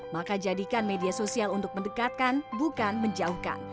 maka jadikan media sosial untuk mendekatkan bukan menjauhkan